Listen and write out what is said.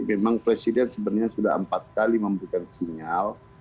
memang presiden sebenarnya sudah empat kali memberikan sinyal